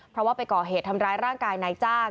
เพราะว่าไปก่อเหตุทำร้ายร่างกายนายจ้าง